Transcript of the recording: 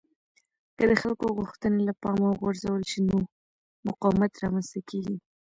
که د خلکو غوښتنې له پامه وغورځول شي نو مقاومت رامنځته کېږي